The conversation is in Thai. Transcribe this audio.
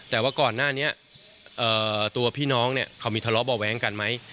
แต่ว่าก่อนหน้านี้ตัวพี่น้องเนี่ยเขามีทะเลาะเบาะแว้งกันไหม